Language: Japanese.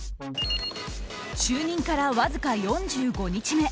就任からわずか４５日目。